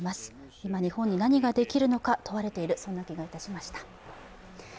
今、日本に何ができるのか問われている、そんな気がしました。